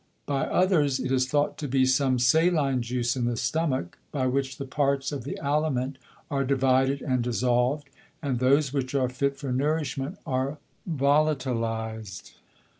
By others, it is thought to be some saline Juice in the Stomach, by which the Parts of the Aliment are divided and dissolved, and those which are fit for Nourishment, are volatiliz'd.